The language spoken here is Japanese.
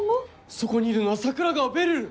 そこにいるのは桜川べるる！